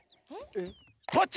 えっ？